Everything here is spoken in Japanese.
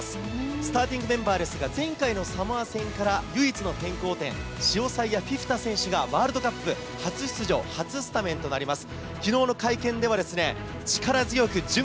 スターティングメンバーですが、前回のサモア戦から唯一の変更点、シオサイア・フィフィタ選手がワールドカップ初出場、初スタメンとなります。